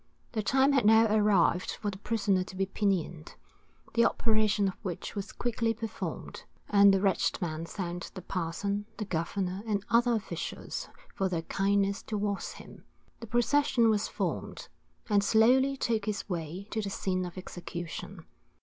The time had now arrived for the prisoner to be pinioned, the operation of which was quickly performed, and the wretched man thanked the parson, the governor, and other officials for their kindness towards him. The procession was formed, and slowly took its way to the scene of execution.